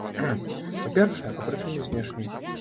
Па-першае, па прычыне знешняй.